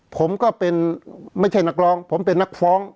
ผมก็เป็นไม่ใช่นักร้องผมเป็นนักฟ้อง